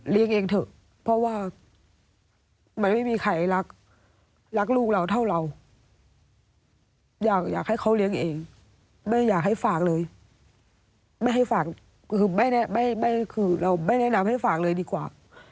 เองเถอะเพราะว่ามันไม่มีใครรักรักลูกเราเท่าเราอยากให้เขาเลี้ยงเองแม่อยากให้ฝากเลยไม่ให้ฝากคือไม่คือเราไม่แนะนำให้ฝากเลยดีกว่า